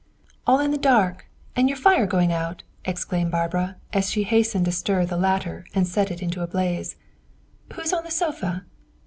"All in the dark, and your fire going out!" exclaimed Barbara, as she hastened to stir the latter and send it into a blaze. "Who's on the sofa?